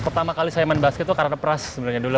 pertama kali saya main basket itu karena pras sebenarnya dulu